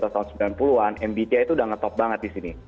lahir di atas tahun sembilan puluh an mbti itu sudah ngetop banget di sini